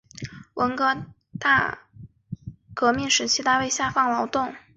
文化大革命时期他被下放劳动。